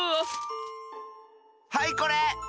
はいこれ！